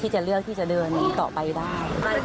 จิ้นจิ้นกันมา